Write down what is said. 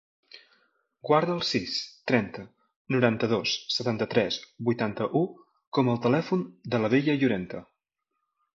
Guarda el sis, trenta, noranta-dos, setanta-tres, vuitanta-u com a telèfon de la Bella Llorente.